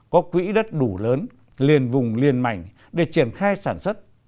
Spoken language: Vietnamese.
có quỹ đất đủ lớn liền vùng liền mảnh để triển khai sản xuất